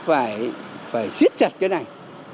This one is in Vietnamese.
phải xiết chặt cái này